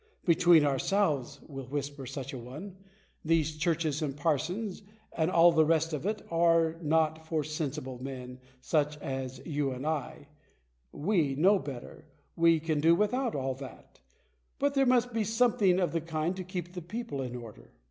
" Between ourselves," will whisper such an one, " these churches and parsons, and all the rest of it, are not for sensible men, such as you and I ; we know better; we can do without all that; but there must be something of the kind to keep the people in order."